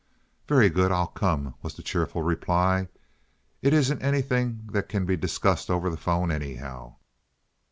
"Very good. I'll come," was the cheerful reply. "It isn't anything that can be discussed over the 'phone, anyhow."